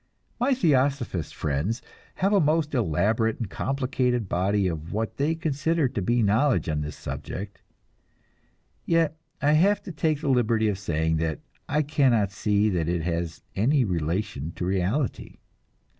My Theosophist friends have a most elaborate and complicated body of what they consider to be knowledge on this subject; yet I have to take the liberty of saying that I cannot see that it has any relation to reality.